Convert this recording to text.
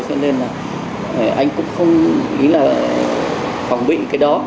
cho nên là anh cũng không nghĩ là phòng bị cái đó